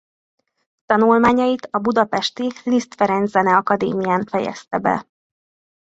Tanulmányait a budapesti Liszt Ferenc Zeneakadémián fejezte be.